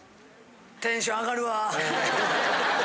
テンション上がるわ。